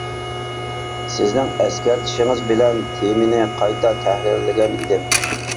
سىزنىڭ ئەسكەرتىشىڭىز بىلەن تېمىنى قايتا تەھرىرلىگەن ئىدىم.